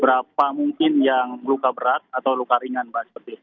berapa mungkin yang luka berat atau luka ringan mbak seperti itu